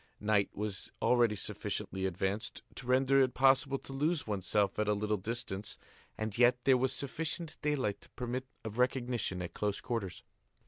Night was already sufficiently advanced to render it possible to lose oneself at a little distance and yet there was sufficient daylight to permit of recognition at close quarters.